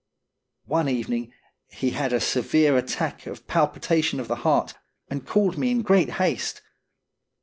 One evening he had a severe attack of pal pitation of the heart, and called me in great haste.